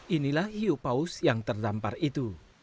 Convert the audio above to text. inilah hiu paus yang terdampar itu